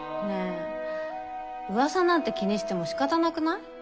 ねえ噂なんて気にしてもしかたなくない？